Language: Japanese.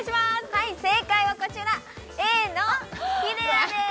はい正解はこちらＡのピレアです